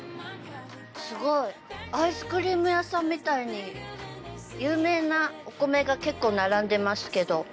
すごいアイスクリーム屋さんみたいに有名なお米が結構並んでますけど。